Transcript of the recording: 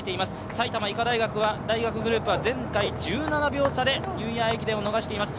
埼玉医科大学グループは前回１７秒差でニューイヤー駅伝を逃しています。